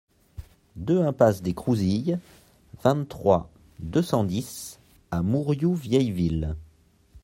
deux impasse des Crouzilles, vingt-trois, deux cent dix à Mourioux-Vieilleville